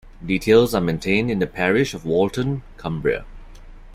Details are maintained in the parish of Whorlton, Cumbria.